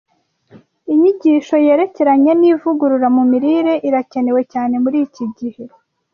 Inyigisho yerekeranye n’ivugurura mu mirire irakenewe cyane muri iki gihe